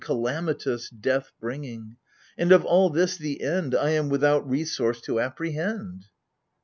Calamitous, death bringing ! And of all this the end I am without resource to apprehend.